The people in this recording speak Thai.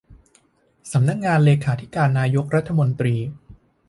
สำนักงานเลขาธิการนายกรัฐมนตรี